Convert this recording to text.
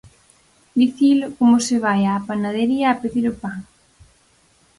Dicilo como se vai á panadería a pedir o pan.